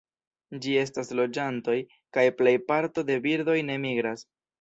Ĝi estas loĝantoj, kaj plej parto de birdoj ne migras.